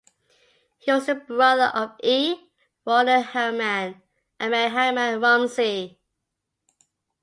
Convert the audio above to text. He was the brother of E. Roland Harriman and Mary Harriman Rumsey.